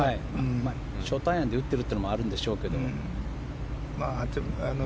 ショートアイアンで打ってるのもあるんでしょうけど。